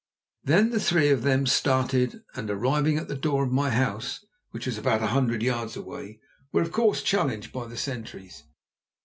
Then the three of them started, and arriving at the door of my house, which was about a hundred yards away, were of course challenged by the sentries.